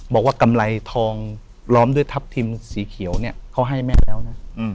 กำไรทองล้อมด้วยทัพทิมสีเขียวเนี่ยเขาให้แม่แล้วนะ